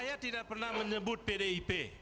saya tidak pernah menyebut pdip